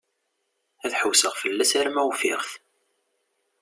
Ad ḥewseɣ fell-as arma ufiɣ-t.